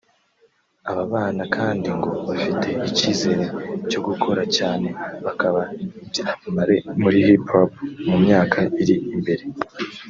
Aba bana kandi ngo bafite icyizere cyo gukora cyane bakaba ibyamamare muri hip hop mu myaka iri imbere